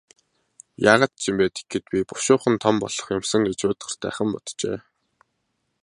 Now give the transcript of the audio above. Яагаад ч юм бэ, тэгэхэд би бушуухан том болох юм сан гэж уйтгартайхан боджээ.